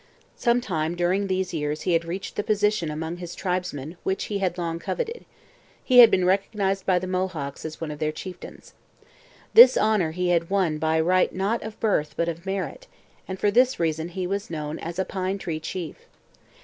Some time during these years he had reached the position among his tribesmen which he long had coveted. He had been recognized by the Mohawks as one of their chieftains. This honour he had won by right not of birth but of merit, and for this reason he was known as a 'Pine tree Chief.'